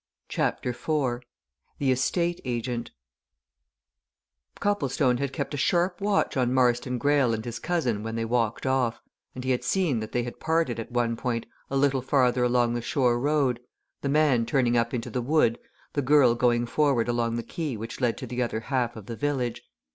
CHAPTER IV THE ESTATE AGENT Copplestone had kept a sharp watch on Marston Greyle and his cousin when they walked off, and he had seen that they had parted at a point a little farther along the shore road the man turning up into the wood, the girl going forward along the quay which led to the other half of the village.